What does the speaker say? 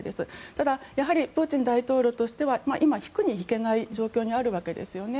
ただ、プーチン大統領としては今、引くに引けない状況にあるわけですよね。